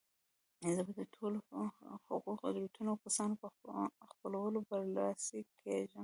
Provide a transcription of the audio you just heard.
زه به د ټولو هغو قدرتونو او کسانو په خپلولو برلاسي کېږم.